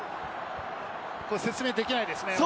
説明できないですね。